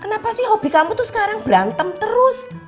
kenapa sih hobi kamu tuh sekarang berantem terus